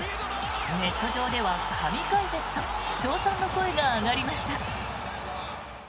ネット上では神解説と称賛の声が上がりました。